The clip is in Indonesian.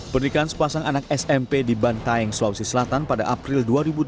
pernikahan sepasang anak smp di bantaeng sulawesi selatan pada april dua ribu dua puluh